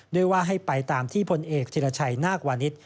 โดยว่าให้ไปตามที่พลเอกเทียดละชัยนาควานิต